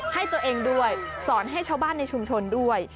ให้ตัวเองด้วยสอนให้ชาวบ้านในชุมชนด้วย